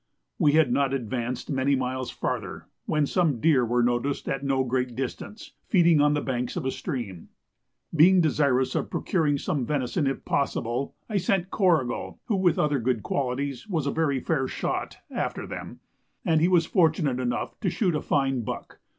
We had not advanced many miles farther, when some deer were noticed at no great distance, feeding on the banks of a stream. Being desirous of procuring some venison if possible, I sent Corrigal (who, with other good qualities, was a very fair shot) after them, and he was fortunate enough to shoot a fine buck.